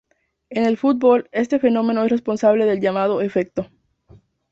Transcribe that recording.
En el fútbol, este fenómeno es responsable del llamado "efecto".